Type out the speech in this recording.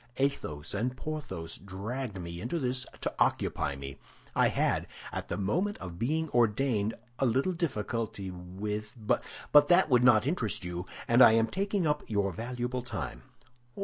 Athos and Porthos dragged me into this to occupy me. I had, at the moment of being ordained, a little difficulty with—But that would not interest you, and I am taking up your valuable time."